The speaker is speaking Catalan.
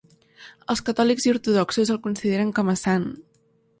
Els catòlics i ortodoxos el consideren com a sant.